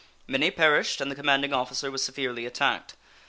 Many perished, and the commanding officer was severely attacked.